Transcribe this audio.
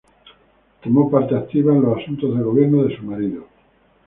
Tomó parte activa en los asuntos de gobierno de su marido.